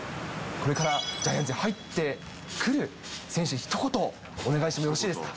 これからジャイアンツに入ってくる選手にひと言お願いしてもよろしいですか？